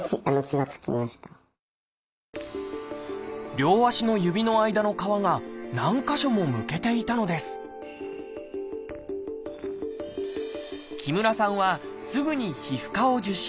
両足の指の間の皮が何か所もむけていたのです木村さんはすぐに皮膚科を受診。